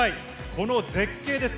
この絶景です。